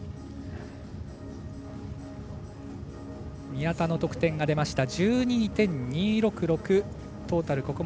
宮田の得点が出ました。１２．２６６。